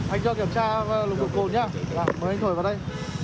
anh cho kiểm tra nồng độ cồn nhé mời anh thổi vào đây